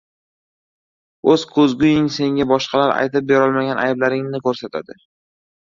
• O‘z ko‘zguing senga boshqalar aytib berolmagan ayblaringni ko‘rsatadi.